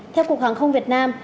theo cục hàng không việt nam